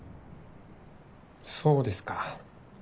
そうですか。